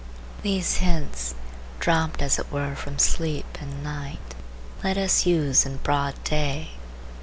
These hints, dropped as it were from sleep and night, let us use in broad day.